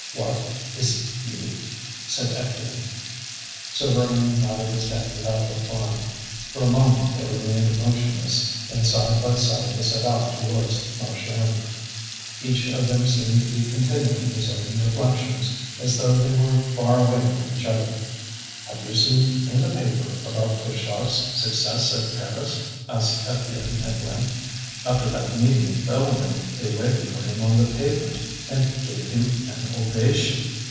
"What! is it you?" said Étienne. Souvarine nodded his head without replying. For a moment they remained motionless, then side by side they set out towards Marchiennes. Each of them seemed to be continuing his own reflections, as though they were far away from each other. "Have you seen in the paper about Pluchart's success at Paris?" asked Étienne, at length. "After that meeting at Belleville, they waited for him on the pavement, and gave him an ovation.